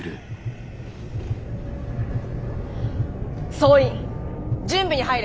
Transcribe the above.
総員準備に入れ。